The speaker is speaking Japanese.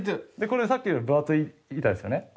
これさっきより分厚い板ですよね。